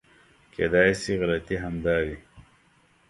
کېدای شي غلطي همدا وي .